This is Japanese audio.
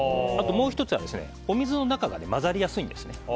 もう１つはお水の中だと混ざりやすいんですね。